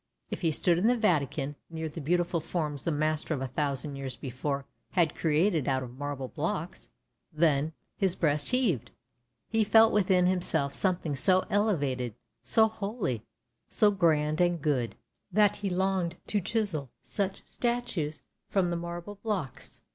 If he stood in the Vatican near the beautiful forms the masters of a thousand years before had created out of marble blocks, then his breast heaved; he felt within himself something so elevated, so holy, so grand and good, that he longed to chisel such statues from the marble blocks.